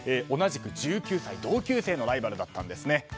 同じく１９歳同級生のライバルだったんです。